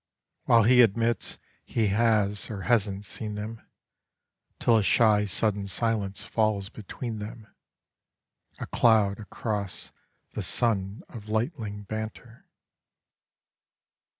While he admits he has or hasn't seen them ... Till a shy sudden silence falls between them, A cloud across the sun of lightling banter.